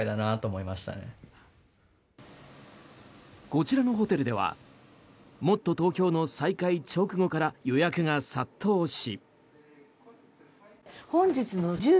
こちらのホテルではもっとＴｏｋｙｏの再開直後から予約が殺到し。